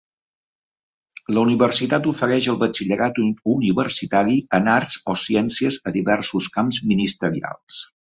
La universitat ofereix el batxillerat universitari en arts o ciències a diversos camps ministerials.